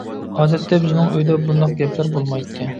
ئادەتتە بىزنىڭ ئۆيدە بۇنداق گەپلەر بولمايتتى.